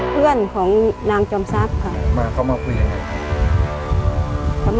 เพื่อนของนางจมซักค่ะ